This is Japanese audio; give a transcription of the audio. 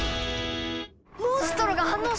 モンストロが反応した！